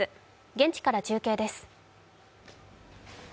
現地から中継です。